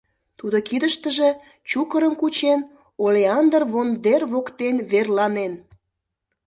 Тудо кидыштыже чукырым кучен, олеандр вондер воктен верланен.